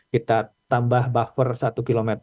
kita tambah buffer satu km